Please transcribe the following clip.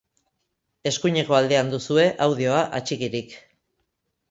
Eskuineko aldean duzue audioa atxikirik.